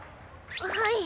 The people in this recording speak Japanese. はい。